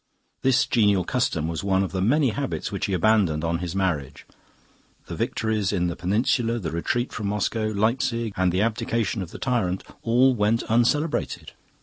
This genial custom was one of the many habits which he abandoned on his marriage. The victories in the Peninsula, the retreat from Moscow, Leipzig, and the abdication of the tyrant all went uncelebrated.